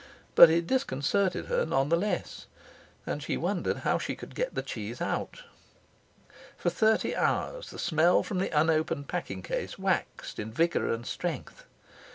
But it disconcerted her none the less. And she wondered how she could get the cheese out. For thirty hours the smell from the unopened packing case waxed in vigour and strength.